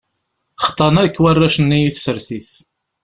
Xḍan akk warrac-nni i tsertit.